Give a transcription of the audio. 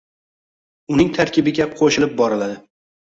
uning tarkibiga qo‘shilib boriladi;